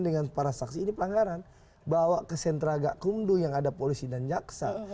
dengan para saksi ini pelanggaran bawa ke sentra gakumdu yang ada polisi dan jaksa